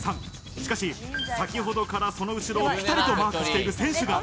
しかし、先ほどからその後ろをピタリとマークしている選手が。